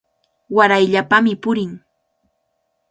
Warayllapami purin.